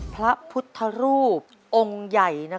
พระพุทธรูปองค์ใหญ่ที่บ้าน